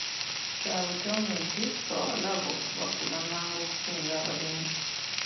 Kya butonde nti abawala bo bakula mangu okusinga abalenzi.